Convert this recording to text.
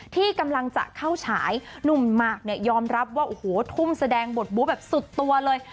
ที่กำลังจะเข้าฉายหนุ่มมากยอมรับว่าทุ่มแสดงบทบุ๊บสุดตัวเลย